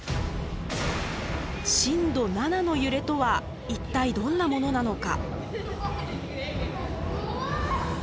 震度７の揺れとは一体どんなものなのか。